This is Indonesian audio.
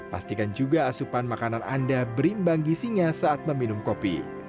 pastikan juga asupan makanan anda berimbang gisinya saat meminum kopi